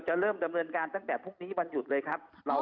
จะเริ่มดำเนินการตั้งแต่พรุ่งนี้บันจุดเลยค่ะอ๋ออ๋ออ๋อ